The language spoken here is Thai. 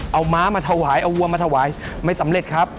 เอาม้ามาถวายเอาวัวมาถวายไม่สำเร็จครับ